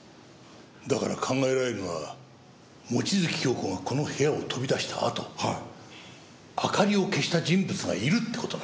だから考えられるのは望月京子がこの部屋を飛び出したあと明かりを消した人物がいるって事なんだ。